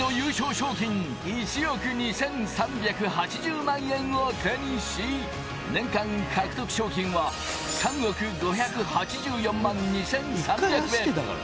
賞金１億２３８０万円を手にし、年間獲得賞金は３億５８４万２３００円。